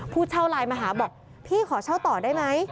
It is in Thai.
ผู้เช่าไลน์มาหาบอกพี่ขอเช่าต่อได้ไหม